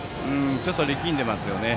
ちょっと力んでますよね。